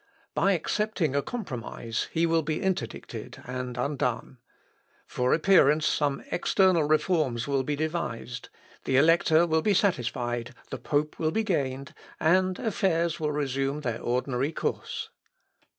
By accepting a compromise he will be interdicted and undone. For appearance some externa reforms will be devised; the Elector will be satisfied; the pope will be gained, and affairs will resume their ordinary course."